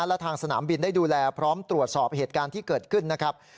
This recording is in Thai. และทางสนามบินได้ดูแลพร้อมตรวจสอบเหตุการณ์ที่เกิดขึ้นนะครับ